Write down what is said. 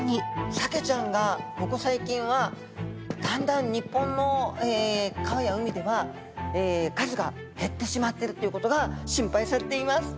サケちゃんがここ最近はだんだん日本の川や海では数が減ってしまってるっていうことが心配されています。